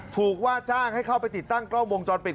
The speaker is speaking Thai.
ถูกว่าจ้างให้เข้าไปติดตั้งกล้องวงจรปิด